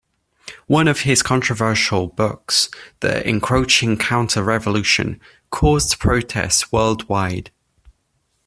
One of his controversial books, "The Encroaching Counter Revolution", caused protests worldwide.